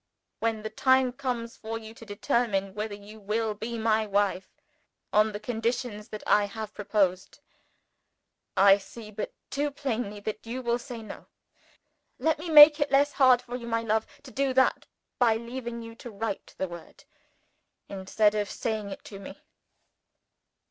When the time comes for you to determine whether you will be my wife on the conditions that I have proposed, I see but too plainly that you will say No. Let me make it less hard for you, my love, to do that, by leaving you to write the word instead of saying it to me.